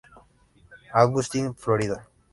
Augustine, Florida.